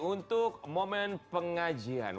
untuk momen pengajian